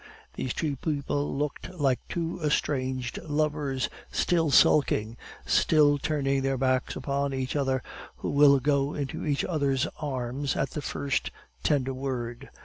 These two people looked like two estranged lovers still sulking, still turning their backs upon each other, who will go into each other's arms at the first tender word.